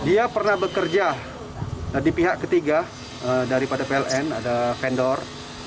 dia pernah bekerja di pihak ketiga daripada pln ada vendor